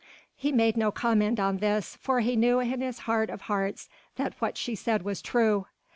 He made no comment on this, for he knew in his heart of hearts that what she said was true.